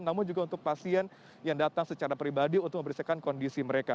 namun juga untuk pasien yang datang secara pribadi untuk mempersiapkan kondisi mereka